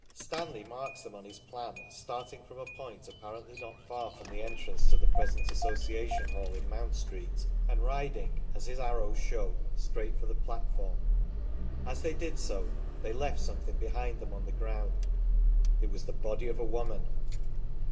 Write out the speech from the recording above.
Stanley marks them on his plan as starting from a point apparently not far from the entrance to the present Association Hall in Mount Street and riding (as his arrows show) straight for the platform. As they did so they left something behind them on the ground. It was the body of a woman.